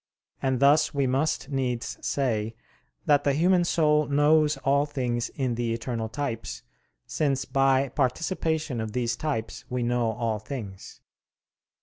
And thus we must needs say that the human soul knows all things in the eternal types, since by participation of these types we know all things.